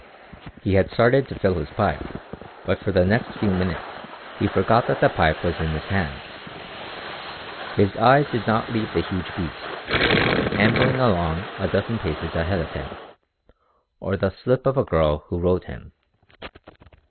He had started to fill his pipe, but for the next few minutes he forgot that the pipe was in his hand. His eyes did not leave the huge beast, ambling along a dozen paces ahead of him, or the slip of a girl who rode him.